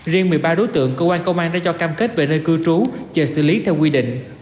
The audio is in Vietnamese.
riêng một mươi ba đối tượng cơ quan công an đã cho cam kết về nơi cư trú chờ xử lý theo quy định